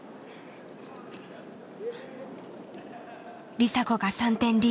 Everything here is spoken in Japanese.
梨紗子が３点リード。